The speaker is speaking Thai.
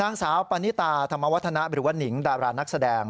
นางสาวปานิตาธรรมวัฒนะหรือว่านิงดารานักแสดง